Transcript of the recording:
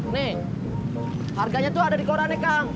nih harganya tuh ada di koran nek kang